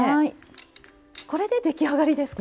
これで出来上がりですか？